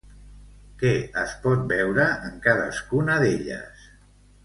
Què es pot veure en cadascuna d'elles?